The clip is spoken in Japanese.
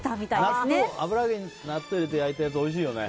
油揚げに納豆入れて焼いたやつおいしいよね。